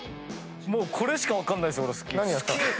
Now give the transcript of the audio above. もうこれしか分かんないですよ。